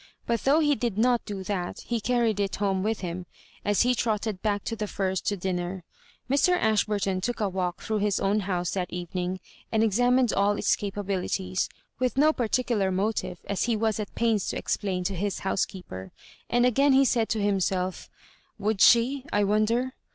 But though he did not do that, he carried it home with him, as he trotted back to the Firs to din ner. Mr. Ashburton took a walk through his own house that evening, and examined all its capabilities — with no particular motive, as be was at pains to explain to bis housekeeper ; and again he said to himself, '^ Would she, I won der